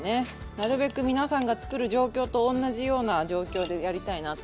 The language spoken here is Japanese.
なるべく皆さんが作る状況と同じような状況でやりたいなと思って。